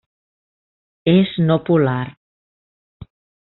És no polar.